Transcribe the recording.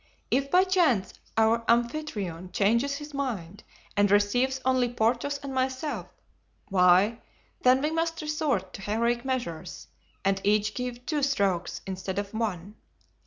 If by chance our Amphitryon changes his mind and receives only Porthos and myself, why, then, we must resort to heroic measures and each give two strokes instead of one.